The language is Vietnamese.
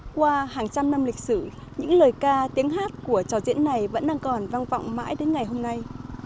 qua hàng trăm năm lịch sử những lời ca tiếng hát của trò diễn này vẫn đang còn vang vọng mãi đến ngày hôm nay